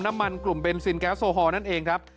กลุ่มเบนซินแก๊สโซฮอลนั่นเองครับ